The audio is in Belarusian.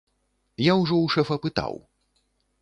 Я ўжо ў шэфа пытаў.